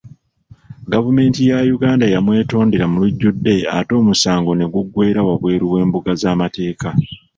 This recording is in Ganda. Gavumenti ya Uganda yamwetondera mu lujjudde ate omusango ne guggwera wabweru w'embuga z'amateeka